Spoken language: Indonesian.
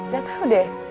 gak tahu deh